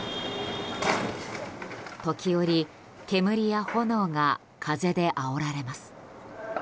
時折、煙や炎が風であおられます。